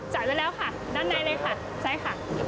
จ่ายแล้วค่ะนั่นไหนเลยค่ะใช่ค่ะ